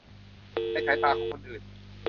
ในสายตาของคนอื่น